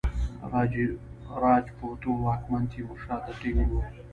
راجپوتو واکمن تیمورشاه ته ټینګ وو.